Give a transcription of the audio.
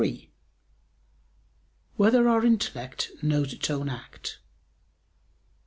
3] Whether Our Intellect Knows Its Own Act?